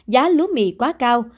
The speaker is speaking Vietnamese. giá lúa mì quá cao